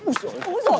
ôi trời ơi